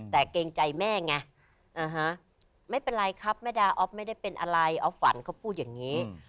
แต่เกรงใจแม่ไงไม่เป็นไรครับแม่ดาอ๊อฟไม่ได้เป็นอะไรออฟฝันเขาพูดอย่างนี้